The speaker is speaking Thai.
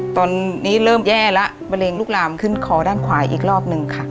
ตอนนี้เริ่มแย่แล้วมะเร็งลุกลามขึ้นคอด้านขวาอีกรอบหนึ่งค่ะ